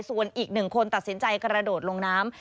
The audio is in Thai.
ส่วนอีกหนึ่งคนตัดสินใจกระโดดลงน้ำ